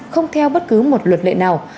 không có bất cứ một luật lệ nào